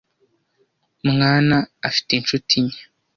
mwana afite inshuti nke.